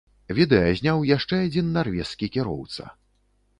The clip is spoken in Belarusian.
Відэа зняў яшчэ адзін нарвежскі кіроўца.